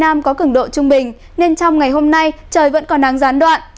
nhiệt độ cao nhất có cứng độ trung bình nên trong ngày hôm nay trời vẫn còn nắng gián đoạn